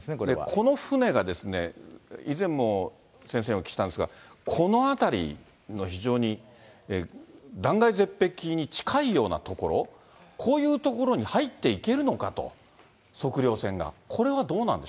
この船が、以前も先生にお聞きしたんですが、この辺りの非常に断崖絶壁に近いような所、こういう所に入っていけるのかと、測量船が。